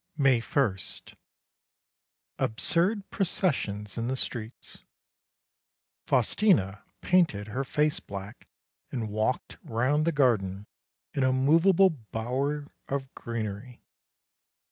May 1. Absurd processions in the streets. Faustina painted her face black and walked round the garden in a movable bower of greenery.